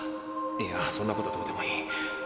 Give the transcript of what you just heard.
いやそんなことはどうでもいい。